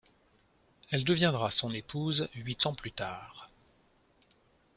Elle deviendra son épouse huit ans plus tard.